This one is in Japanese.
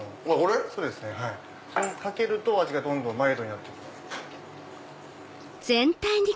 かけると味がどんどんマイルドになって行きます。